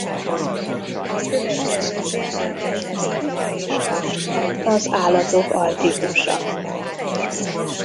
A következő példában a kutya és a macska az állatok altípusa.